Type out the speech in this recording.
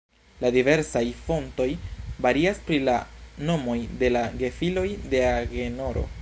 La diversaj fontoj varias pri la nomoj de la gefiloj de Agenoro.